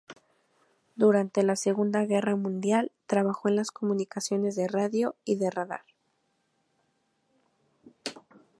Durante la Segunda Guerra Mundial trabajó en las comunicaciones de radio y de radar.